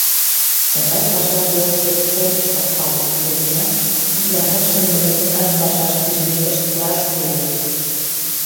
Тыгай паша-койышышт корныштак пале ыле гынат, утларакше нылытынат пашаш пижмекышт раш койо.